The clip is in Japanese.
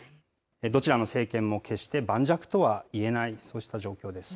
どちらの政権も決して盤石とは言えない、そうした状況です。